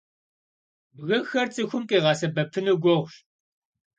Bgıxer ts'ıxum khiğesebepınu guğuş.